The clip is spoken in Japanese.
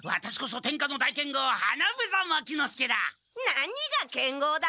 何が剣豪だ！